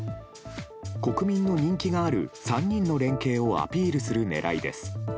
国民の人気がある３人の連携をアピールする狙いです。